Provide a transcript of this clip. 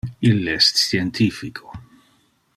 Ille es scientifico.